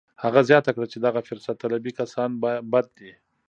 هغه زیاته کړه چې دغه فرصت طلبي کسان بد دي